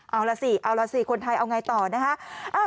เอาละสิเอาละสิคนไทยเอาง่ายต่อนะคะ